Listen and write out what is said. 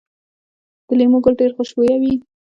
د لیمو ګل ډیر خوشبويه وي؟